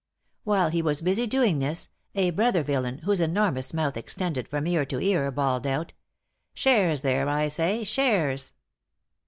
While he was busy doing this, a brother villain, whose enormous mouth extended from ear to ear, bawled out, 'Shares there, I say! shares!'